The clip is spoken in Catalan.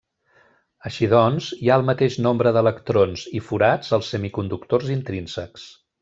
Així doncs, hi ha el mateix nombre d'electrons i forats als semiconductors intrínsecs.